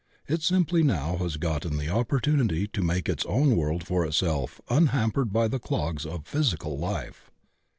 It simply now has gotten the opportunity to make its own world for itself unhampered by the clogs of physical life.